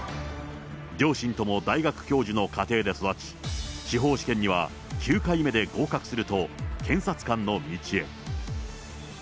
両親とも大学教授の家庭で育ち、司法試験には９回目で合格すると、検察官の道へ。